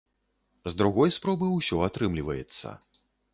З другой спробы ўсё атрымліваецца.